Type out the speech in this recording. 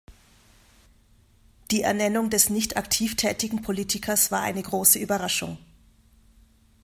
Die Ernennung des nicht aktiv tätigen Politikers war eine große Überraschung.